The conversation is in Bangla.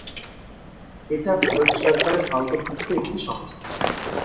এটা ভারত সরকারের আওতাভুক্ত একটি সংস্থা।